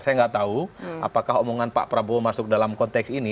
saya nggak tahu apakah omongan pak prabowo masuk dalam konteks ini